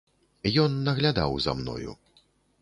Ён наглядаў за мною.